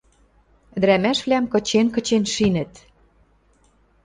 Ӹдӹрӓмӓшвлӓм кычен-кычен шинӹт.